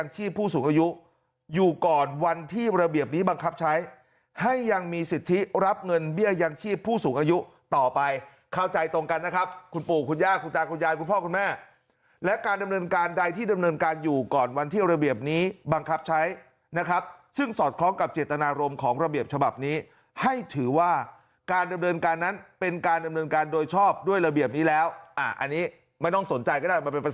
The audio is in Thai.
ต่อไปเข้าใจตรงกันนะครับคุณปู่คุณย่าคุณจานคุณยายคุณพ่อคุณแม่และการดำเนินการใดที่ดำเนินการอยู่ก่อนวันที่ระเบียบนี้บังคับใช้นะครับซึ่งสอดคล้องกับเจตนารมณ์ของระเบียบฉบับนี้ให้ถือว่าการดำเนินการนั้นเป็นการดำเนินการโดยชอบด้วยระเบียบนี้แล้วอ่าอันนี้ไม่ต้องสนใจก็